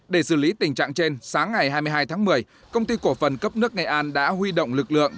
để xử lý tình trạng trên sáng ngày hai mươi hai tháng một mươi công ty cổ phần cấp nước nghệ an đã huy động lực lượng